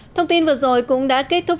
thông tin vừa rồi cũng đã kết thúc